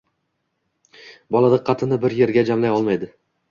bola diqqatini bir yerga jamlay olmaydi